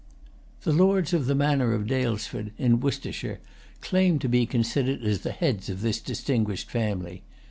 The lords of the manor of Daylesford, in Worcestershire, claimed to be considered as the heads of this distinguished family.